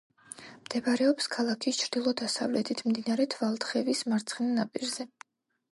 მდებარეობს ქალაქის ჩრდილო-დასავლეთით, მდინარე თვალთხევის მარცხენა ნაპირზე.